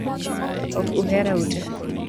Ok uhera ute